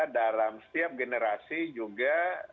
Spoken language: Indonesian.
dalam setiap generasi juga